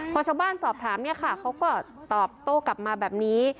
พอชาวบ้านสอบถามเนี่ยค่ะเขาก็ตอบโต้กลับมาแบบนี้